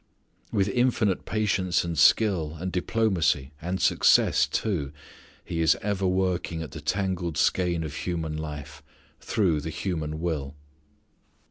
With infinite patience and skill and diplomacy and success too He is ever working at the tangled skein of human life, through the human will.